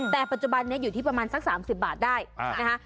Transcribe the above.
แต่ปัจจุบันนี้อยู่ที่ประมาณสัก๓๐บาทได้นะคะ